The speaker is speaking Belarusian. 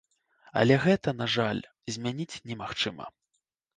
Але гэта, на жаль, змяніць немагчыма.